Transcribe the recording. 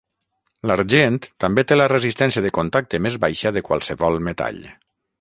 L'argent també té la resistència de contacte més baixa de qualsevol metall.